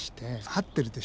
はってる。